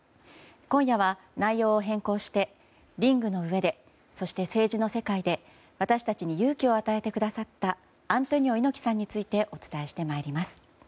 今夜は、内容を変更してリングの上でそして、政治の世界で私たちに勇気を与えてくださったアントニオ猪木さんについてお伝えしてまいります。